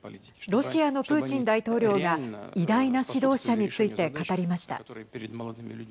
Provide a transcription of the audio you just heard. ロシアのプーチン大統領が偉大な指導者について語りました。